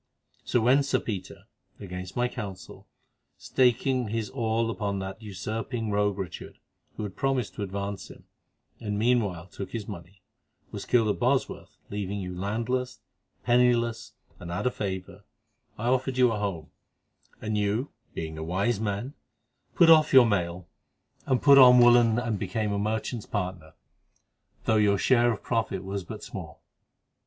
So when Sir Peter—against my counsel, staking his all upon that usurping rogue Richard, who had promised to advance him, and meanwhile took his money—was killed at Bosworth, leaving you landless, penniless, and out of favour, I offered you a home, and you, being a wise man, put off your mail and put on woollen and became a merchant's partner, though your share of profit was but small.